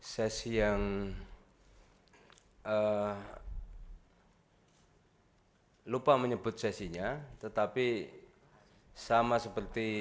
sesi yang lupa menyebut sesinya tetapi sama seperti